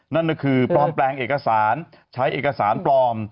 นั่นก็คือปลอมแปลงเอกสารใช้เอกสารปลอม